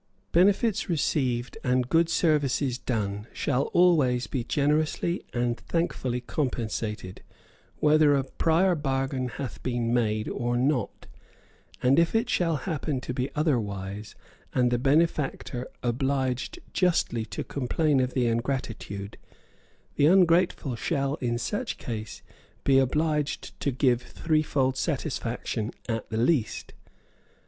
"Benefits received and good services done shall always be generously and thankfully compensated, whether a prior bargain hath been made or not; and, if it shall happen to be otherwise, and the Benefactor obliged justly to complain of the ingratitude, the Ungrateful shall in such case be obliged to give threefold satisfaction at the least."